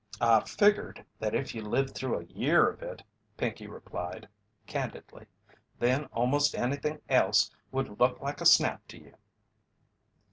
"I figgered that if you lived through a year of it," Pinkey replied, candidly, "then almost anything else would look like a snap to you."